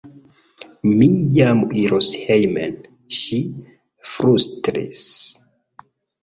Mi jam iros hejmen, ŝi flustris.